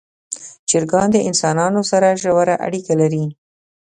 چرګان د انسانانو سره ژوره اړیکه لري.